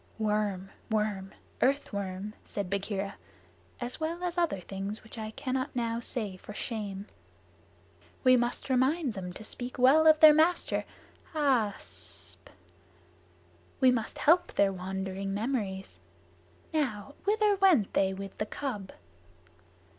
"Worm worm earth worm," said Bagheera, "as well as other things which I cannot now say for shame." "We must remind them to speak well of their master. Aaa ssp! We must help their wandering memories. Now, whither went they with the cub?"